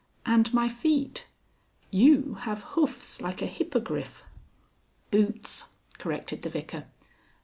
"And my feet. You have hoofs like a hippogriff." "Boots," corrected the Vicar.